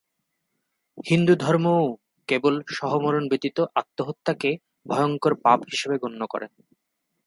হিন্দুধর্মও কেবল সহমরণ ব্যতীত আত্মহত্যাকে ভয়ঙ্কর পাপ হিসেবে গণ্য করে।